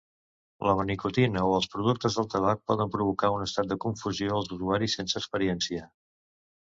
La nicotina o els productes del tabac poden provocar un estat de confusió als usuaris sense experiència.